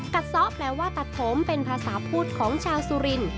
ซ้อแปลว่าตัดผมเป็นภาษาพูดของชาวสุรินทร์